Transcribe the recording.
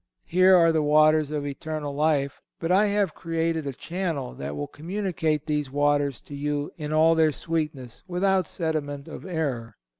Here are the waters of eternal life, but I have created a channel that will communicate these waters to you in all their sweetness without sediment of error.